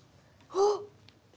あっ。